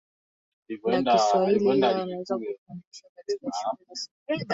la Kiswahili ili waweze kufundisha katika shule za sekondari